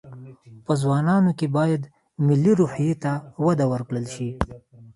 په ځوانانو کې باید ملي روحي ته وده ورکړل شي